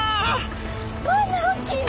こんなおっきいの？